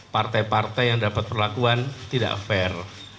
partai partai yang dapat perlakuan tidak fair